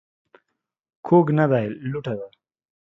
کوږ نه دى ، لوټه ده.